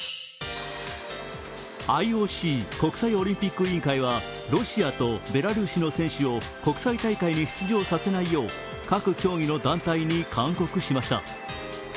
ＩＯＣ＝国際オリンピック委員会はロシアとベラルーシの選手を国際大会に出場させないよう各競技の団体に勧告しました。